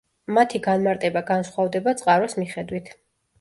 მათი განმარტება განსხვავდება წყაროს მიხედვით.